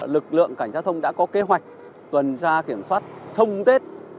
lực lượng cảnh giao thông đã có kế hoạch tuần tra kiểm soát thông tết